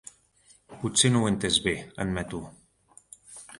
Potser no ho he entès bé —admeto—.